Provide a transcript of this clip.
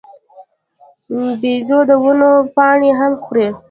بیزو د ونو پاڼې هم خوري.